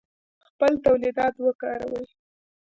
خپل تولیدات وکاروئ